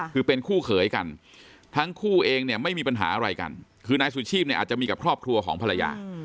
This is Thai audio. คือเป็นคู่เขยกันทั้งคู่เองเนี่ยไม่มีปัญหาอะไรกันคือนายสุชีพเนี่ยอาจจะมีกับครอบครัวของภรรยา